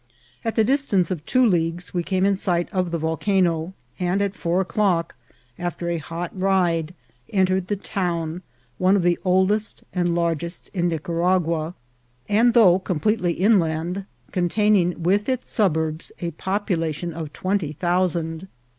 At the distance of two leagues we came in sight of the volcano, and at four o'clock, after a hot ride, entered the town, one of the oldest and largest in Nicaragua, and though completely inland, containing, with its sub urbs, a population of twenty thousand.